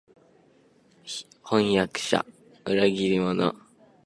それを一概に「飜訳者は裏切り者」と心得て畏れ謹しんだのでは、